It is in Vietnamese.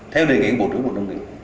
theo đề nghị của bộ trưởng bộ nông nghiệp